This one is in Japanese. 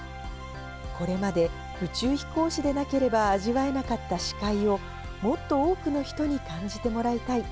これまで宇宙飛行士でなければ味わえなかった視界を、もっと多くの人に感じてもらいたい。